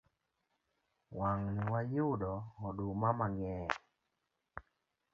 Wang'ni wayudo oduma mang'eny